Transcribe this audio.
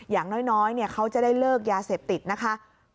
อย่างน้อยเขาจะได้เลิกยาเสพติดนะคะ